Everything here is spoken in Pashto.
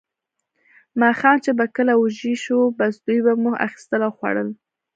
ماښام چې به کله وږي شوو، بس دوی به مو اخیستل او خوړل.